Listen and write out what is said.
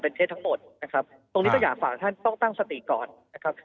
เทสทั้งหมดนะครับตรงนี้ก็อยากฝากท่านต้องตั้งสติก่อนนะครับ